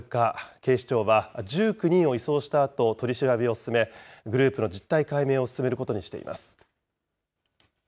警視庁は１９人を移送したあと、取り調べを進め、グループの実態解明を進めることにしています。